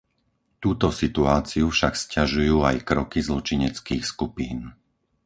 Túto situáciu však sťažujú aj kroky zločineckých skupín.